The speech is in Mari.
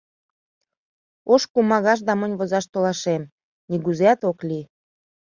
Ош кумагаш да монь возаш толашем... нигузеат ок лий.